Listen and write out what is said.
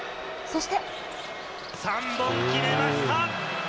３本決めました。